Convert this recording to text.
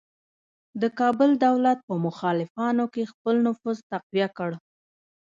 د کابل دولت په مخالفانو کې خپل نفوذ تقویه کړ.